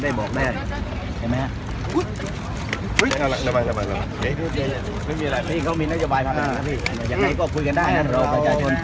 ยังไงก็คุยกันได้อ่ะเดี๋ยวเราประชาชน